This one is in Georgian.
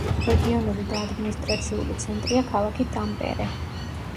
რეგიონული და ადმინისტრაციული ცენტრია ქალაქი ტამპერე.